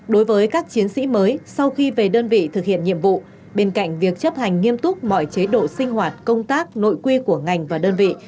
đối với các chiến sĩ mới sau khi về đơn vị thực hiện nhiệm vụ bên cạnh việc chấp hành nghiêm túc mọi chế độ sinh hoạt công tác nội quy của ngành và đơn vị